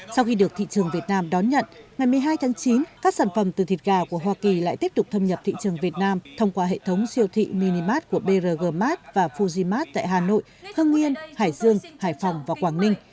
sau khi được thị trường việt nam đón nhận ngày một mươi hai tháng chín các sản phẩm từ thịt gà của hoa kỳ lại tiếp tục thâm nhập thị trường việt nam thông qua hệ thống siêu thị minimart của brg mart và fujimart tại hà nội hưng nguyên hải dương hải phòng và quảng ninh